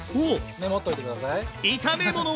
メモっといてください。